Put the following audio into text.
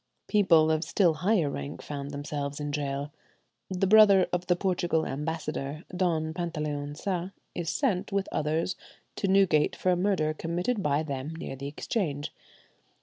People of still higher rank found themselves in gaol. The brother of the "Portugal" ambassador, Don Pantaleon Sa, is sent, with others, to Newgate for a murder committed by them near the Exchange.